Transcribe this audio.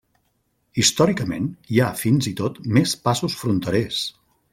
Històricament, hi ha fins i tot més passos fronterers.